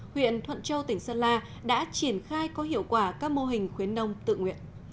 huyện thuận châu tỉnh sơn la đã triển khai có hiệu quả các mô hình khuyến nông tự nguyện